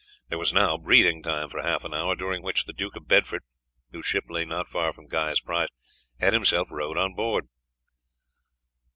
There was now breathing time for half an hour, during which the Duke of Bedford, whose ship lay not far from Guy's prize, had himself rowed on board.